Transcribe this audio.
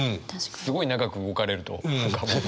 すごい長く動かれると何かもう。